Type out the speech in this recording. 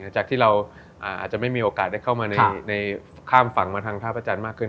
จากที่เราอาจจะไม่มีโอกาสได้เข้ามาในข้ามฝั่งมาทางท่าพระจันทร์มากขึ้น